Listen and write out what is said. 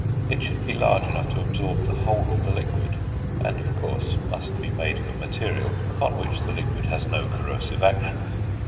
It should be large enough to absorb the whole of the liquid; and of course must be made of a material upon which the liquid has no corrosive action.